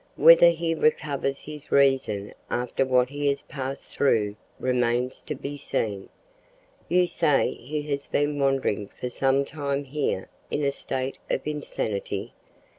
Whether he recovers his reason after what he has passed through remains to be seen. You say he has been wandering for some time here in a state of insanity?